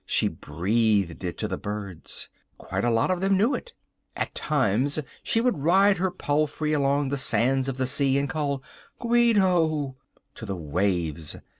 She breathed it to the birds. Quite a lot of them knew it. At times she would ride her palfrey along the sands of the sea and call "Guido" to the waves!